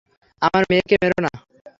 আমার মেয়েকে মেরো না।